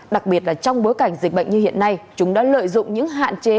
đặc biệt là trong bối cảnh dịch bệnh như hiện nay chúng đã lợi dụng những hạn chế